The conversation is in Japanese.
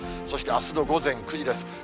そしてあすの午前９時です。